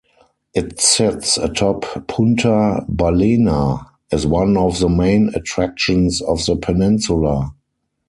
It sits atop Punta Ballena, as one of the main attractions of the peninsula.